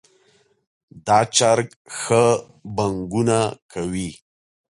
دا چرګ ښه بانګونه کوي